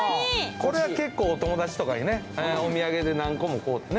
これは結構お友達とかにねお土産で何個も買うてね。